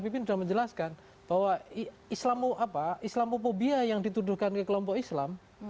makin dalam menjelaskan bahwa islam apa islamophobia yang dituduhkan ke kelompok islam